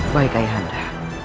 baik kakak anda